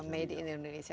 made in indonesia